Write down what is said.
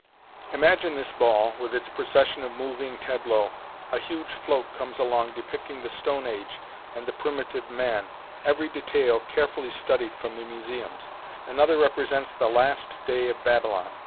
Imagine this ball, with its procession of moving tableaux. A huge float comes along, depicting the stone age and the primitive man, every detail carefully studied from the museums. Another represents the last day of Babylon.